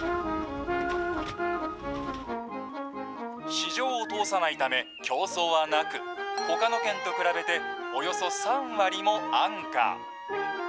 市場を通さないため、競争はなく、ほかの県と比べて、およそ３割も安価。